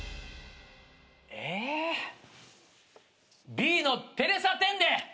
Ｂのテレサ・テンで！